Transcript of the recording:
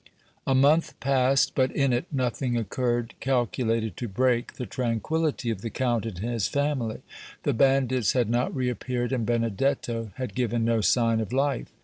A month passed, but in it nothing occurred calculated to break the tranquillity of the Count and his family. The bandits had not reappeared and Benedetto had given no sign of life.